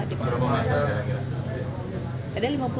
berapa meter kira kira